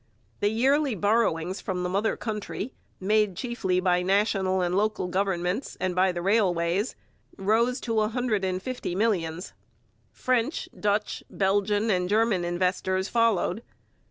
The yearly borrowings from the mother country, made chiefly by national and local governments and by the railways, rose to a hundred and fifty millions. French, Dutch, Belgian, and German investors followed.